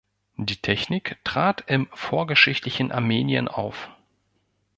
Die Technik trat im vorgeschichtlichen Armenien auf.